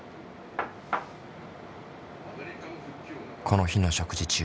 この日の食事中。